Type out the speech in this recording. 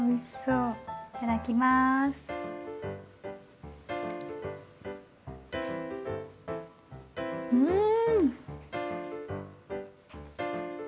うん！